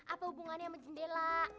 apa hubungannya sama jendela